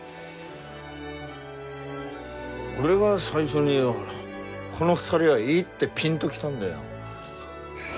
俺が最初にこの２人はいいってピンと来たんだよ。